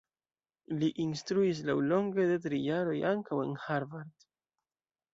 Li instruis, laŭlonge de tri jaroj, ankaŭ en Harvard.